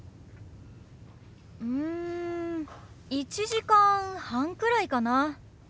うん１時間半くらいかな。